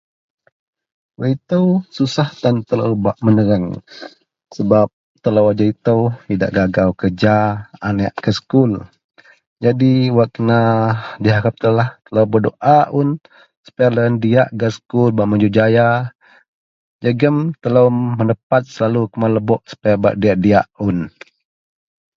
wak itou susah tan telo bak menerang sebab telou ajau itou, idak gagau kerja, aneak gak sekul, jadi wak kena diharap teloulah ,telou berdoa un supaya deloyien diak gak sekul jegum majujaya, jegum telou menepad selalu kuman lebok supaya bak diak-diak un